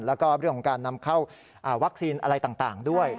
แล้วก็เรื่องของการนำเข้าวัคซีนอะไรต่างด้วย